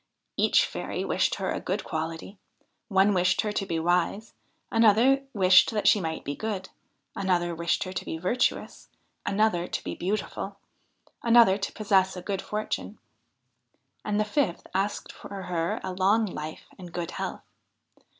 Each fairy wished her a good quality. One wished her to be wise ; another wished that she might be good ; another wished her to be virtuous ; another to be beautiful ; another to possess a good fortune ; and the fifth asked for her a long life and good health.